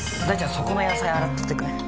そこの野菜洗っとってくれん？